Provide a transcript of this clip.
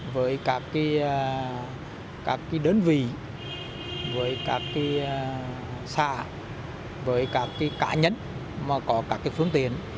với các cái đơn vị với các cái xa với các cái cá nhân mà có các cái phương tiện